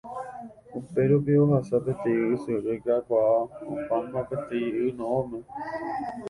Upérupi ohasa peteĩ ysyry kakuaa opáva peteĩ yno'õme.